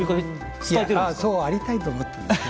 そうありたいと思って。